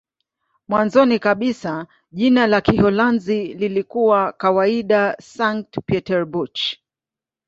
Mwanzoni kabisa jina la Kiholanzi lilikuwa kawaida "Sankt-Pieterburch".